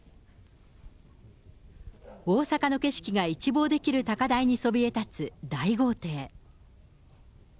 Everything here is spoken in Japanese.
大阪の景色が一望できる高台にそびえたつ大豪邸。